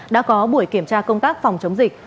đã có buổi kiểm tra công tác phòng chống dịch